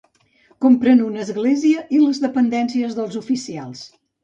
Comprèn una església i les dependències dels oficials.